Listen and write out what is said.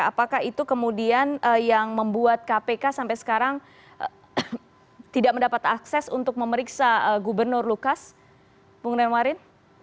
apakah itu kemudian yang membuat kpk sampai sekarang tidak mendapat akses untuk memeriksa gubernur lukas bung new marin